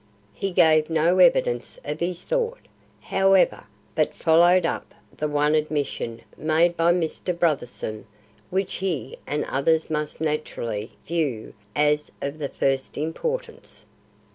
He gave no evidence of his thought, however, but followed up the one admission made by Mr. Brotherson which he and others must naturally view as of the first importance.